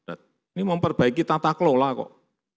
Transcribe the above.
ini memperbaiki tata kelola kok